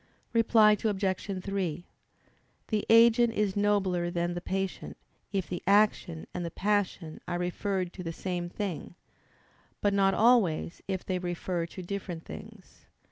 Reply Obj. 3: The agent is nobler than the patient, if the action and the passion are referred to the same thing: but not always, if they refer to different things.